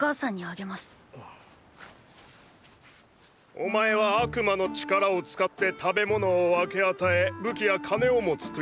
お前は悪魔の力を使って食べ物を分け与え武器や金をも作り出した。